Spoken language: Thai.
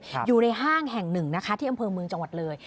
อยู่ในห้างแห่งหนึ่งนะคะที่อำเภอเมืองจังหวัดเลย